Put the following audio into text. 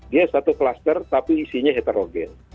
dia satu kluster tapi isinya heterogen